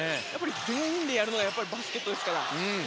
全員でやるのがやっぱりバスケットですから。